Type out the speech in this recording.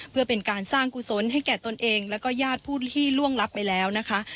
เพื่อเป็นการสร้างกุศลให้แก่ตนเองแล้วก็ญาติผู้ที่ล่วงลับไปแล้วนะคะ